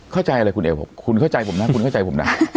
เข้าใจอะไรคุณเอกบอกคุณเข้าใจผมนะคุณเข้าใจผมนะ